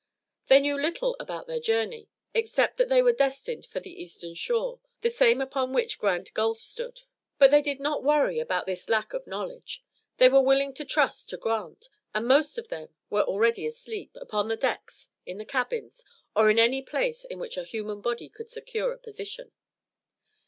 They knew little about their journey, except that they were destined for the eastern shore, the same upon which Grand Gulf stood, but they did not worry about this lack of knowledge. They were willing to trust to Grant, and most of them were already asleep, upon the decks, in the cabins, or in any place in which a human body could secure a position.